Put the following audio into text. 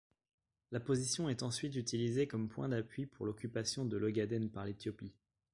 La position est ensuite utilisée comme point d'appui pour l'occupation de l'Ogaden par l'Éthiopie.